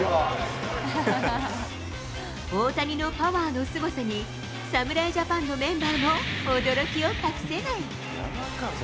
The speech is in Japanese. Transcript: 大谷のパワーのすごさに、侍ジャパンのメンバーも驚きを隠せない。